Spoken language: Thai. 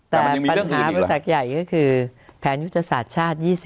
แต่ปัญหาบริษัทใหญ่ก็คือแผนยุทธศาสตร์ชาติ๒๐